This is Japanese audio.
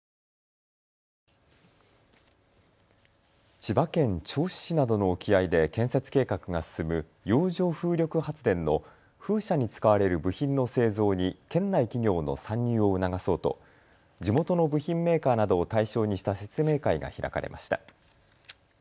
千葉県銚子市などの沖合で建設計画が進む洋上風力発電の風車に使われる部品の製造に県内企業の参入を促そうと地元の部品メーカーなどを対象にした説明会が開かれました。